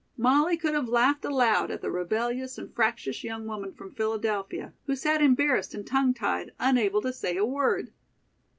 Molly could have laughed aloud at the rebellious and fractious young woman from Philadelphia, who sat embarrassed and tongue tied, unable to say a word.